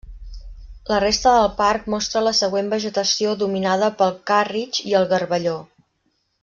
La resta del parc mostra la següent vegetació dominada pel càrritx i el garballó.